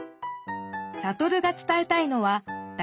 サトルが伝えたいのはだ